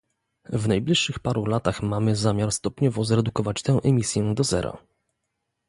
W najbliższych paru latach mamy zamiar stopniowo zredukować tę emisję do zera